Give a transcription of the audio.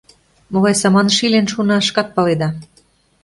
Могай саманыш илен шуна — шкат паледа.